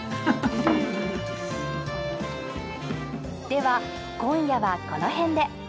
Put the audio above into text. では今夜はこの辺で。